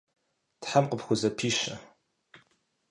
Тхьэм къыпхузэпищэ.